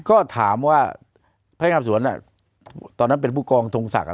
ก็ถามว่าพยานครับสวนอ่ะตอนนั้นเป็นผู้กองทงศักดิ์อ่ะ